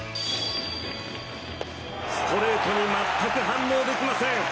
ストレートに全く反応できません。